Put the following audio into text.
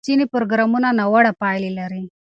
ځینې پروګرامونه ناوړه پایلې لري.